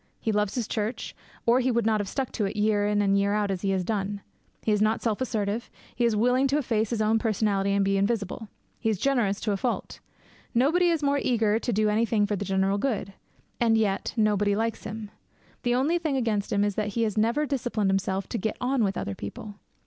He loves his church, or he would not have stuck to it year in and year out as he has done. He is not self assertive; he is quite willing to efface his own personality and be invisible. He is generous to a fault. Nobody is more eager to do anything for the general good. And yet nobody likes him. The only thing against him is that he has never disciplined himself to get on with other people.